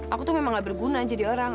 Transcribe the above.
aku tuh memang gak berguna jadi orang